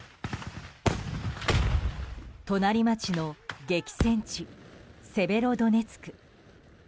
隣町の激戦地セベロドネツク。